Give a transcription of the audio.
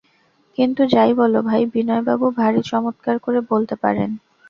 কিন্তু যাই বল ভাই, বিনয়বাবু ভারি চমৎকার করে বলতে পারেন।